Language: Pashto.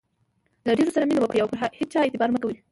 له ډېرو سره مینه وکړئ، او پر هيچا اعتبار مه کوئ!